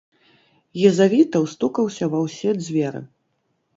Езавітаў стукаўся ва ўсе дзверы.